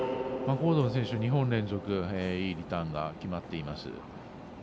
ゴードン選手、２本連続いいリターンが決まっています。